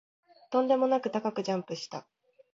とんでもなく高くジャンプした